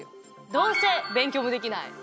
どうせ勉強もできない。